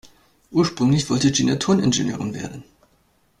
Ursprünglich wollte Gina Toningenieurin werden.